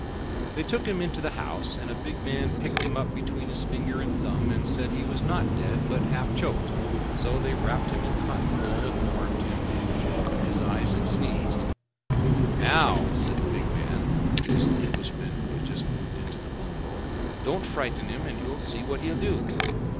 They took him into the house, and a big man picked him up between his finger and thumb and said he was not dead but half choked. So they wrapped him in cotton wool, and warmed him over a little fire, and he opened his eyes and sneezed. "Now," said the big man (he was an Englishman who had just moved into the bungalow), "don't frighten him, and we'll see what he'll do."